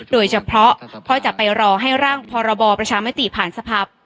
โดยเฉพาะเพราะจะไปรอให้ร่างพรบประชามติผ่านสภาพ